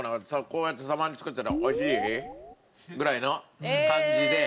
こうやってたまに作ってて美味しい？ぐらいの感じで。